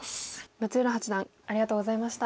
六浦八段ありがとうございました。